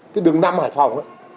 cái đường năm hải phòng